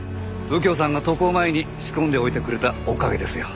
右京さんが渡航前に仕込んでおいてくれたおかげですよ。